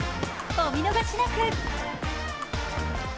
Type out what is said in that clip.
お見逃しなく。